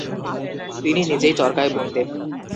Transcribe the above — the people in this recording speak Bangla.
তিনি নিজেই চরকায় বুনতেন।